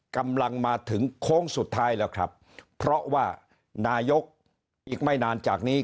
กำลังมาถึงโค้งสุดท้ายแล้วครับเพราะว่านายกอีกไม่นานจากนี้